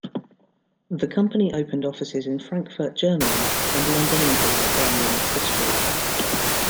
The company opened offices in Frankfurt, Germany, and London, England early in its history.